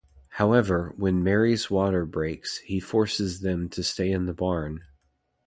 However, when Mary's water breaks, he forces them to stay in the barn.